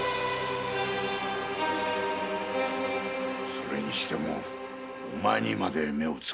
それにしてもお前にまで目をつけるとはな。